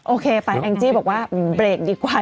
โอเคไปแอนกตันจี้บอกว่าหวินเบรกดีกว่า